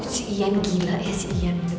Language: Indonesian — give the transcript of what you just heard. si ian gila ya si ian